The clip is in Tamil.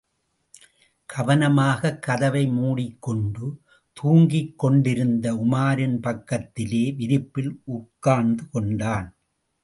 கவனமாகக் கதவை முடிக் கொண்டு, தூங்கிக் கொண்டிருந்த உமாரின் பக்கத்திலே விரிப்பில் உட்கார்ந்து கொண்டான்.